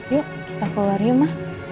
yuk kita keluar yuk mah